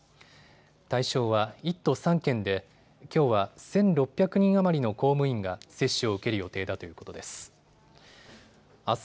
対象は１都３県できょうは１６００人余りの公務員が接種を受ける予定だということです。